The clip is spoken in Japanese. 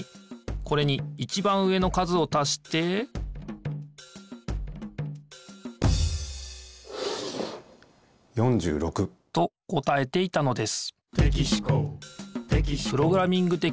これにいちばん上の数をたして４６。と答えていたのです